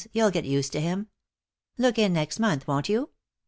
You'll get used to him. Look in next month, won't you?